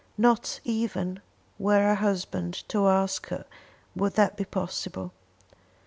Not even were her husband to ask her would that be possible.